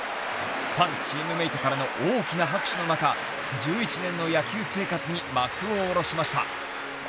ファン、チームメートからの大きな拍手の中１１年の野球生活に幕を下ろしました。